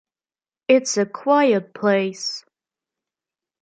It's a quiet place.